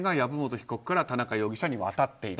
被告から田中容疑者に渡っていた。